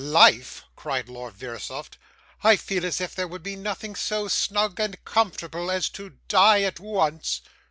'Life!' cried Lord Verisopht. 'I feel as if there would be nothing so snug and comfortable as to die at once.